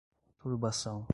turbação